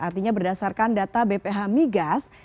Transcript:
artinya berdasarkan data bph migas